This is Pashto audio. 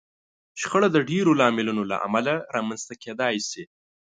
شخړه د ډېرو لاملونو له امله رامنځته کېدای شي.